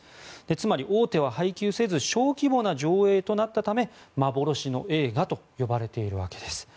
つまり大手は配給せず小規模な上映となったため幻の映画と呼ばれているわけです。